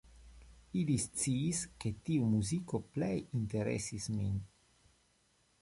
Ili sciis, ke tiu muziko plej interesis min.